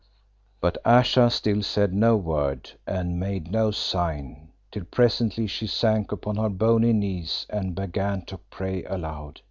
But Ayesha still said no word and made no sign, till presently she sank upon her bony knees and began to pray aloud.